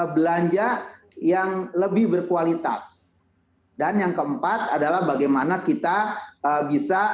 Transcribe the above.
belanja yang lebih berkualitas dan yang keempat adalah bagaimana kita bisa